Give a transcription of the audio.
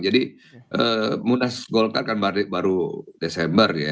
jadi munas golkar kan baru desember ya